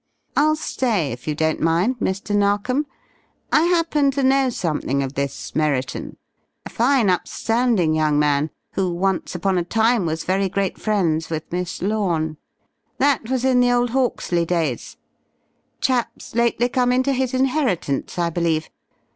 "I'll stay if you don't mind, Mr. Narkom. I happen to know something of this Merriton. A fine upstanding young man, who, once upon a time was very great friends with Miss Lorne. That was in the old Hawksley days. Chap's lately come into his inheritance, I believe.